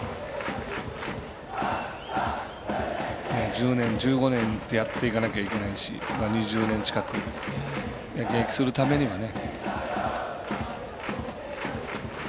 １０年、１５年ってやっていかなきゃいけないし２０年近く、現役するためにはね。